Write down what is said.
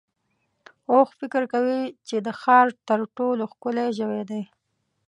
اوښ فکر کوي چې د ښار تر ټولو ښکلی ژوی دی.